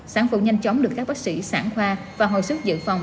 sản phụ nhanh chóng được các bác sĩ sản khoa và hồi sức dự phòng